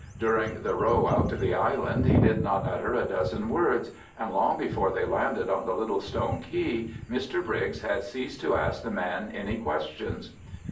During the row out to the island he did not utter a dozen words, and long before they landed on the little stone quay Mr Briggs had ceased to ask the man any questions.